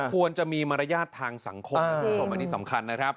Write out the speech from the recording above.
ควรจะมีมารยาททางสังคมควรเป็นที่สำคัญนะครับ